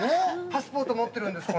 パスポート持ってるんです